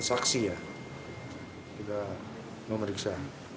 saksi ya juga memeriksa